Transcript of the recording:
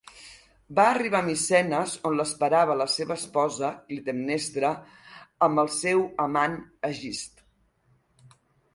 Va arribar a Micenes, on l'esperava la seva esposa, Clitemnestra i el seu amant, Egist.